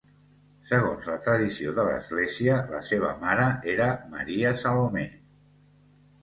Segons la tradició de l'Església, la seva mare era Maria Salomé.